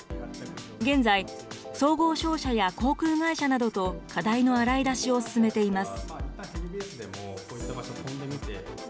現在、総合商社や航空会社などと課題の洗い出しを進めています。